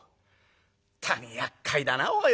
「本当にやっかいだなおい。